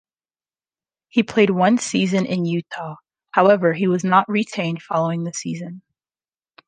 He played one season in Utah; however, he was not retained following the season.